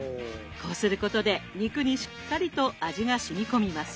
こうすることで肉にしっかりと味がしみこみます。